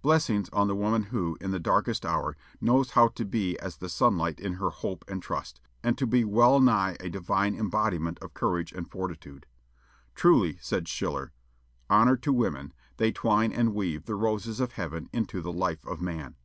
Blessings on the woman who, in the darkest hour, knows how to be as the sunlight in her hope and trust, and to be well nigh a divine embodiment of courage and fortitude! Truly said Schiller: "Honor to women! they twine and weave the roses of heaven into the life of man."